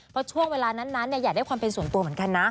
เพราะช่วงเวลานั้นอยากได้ความเป็นส่วนตัวเหมือนกันนะ